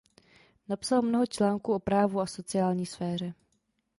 Napsal mnoho článků o právu a sociální sféře.